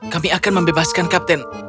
kami akan membebaskan kapten